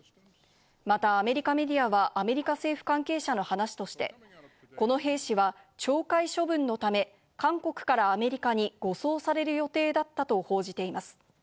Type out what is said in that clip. またアメリカメディアはアメリカ政府関係者の話として、この兵士は懲戒処分のため、韓国からアメリカに護送される予定だったと報じています。